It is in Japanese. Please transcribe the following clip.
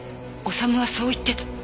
修はそう言ってた。